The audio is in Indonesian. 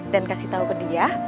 dan kasih tau ke dia